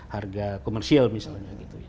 harga komersil misalnya